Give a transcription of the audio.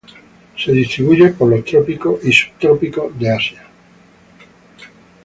Se distribuye por los trópicos y subtrópicos de Asia.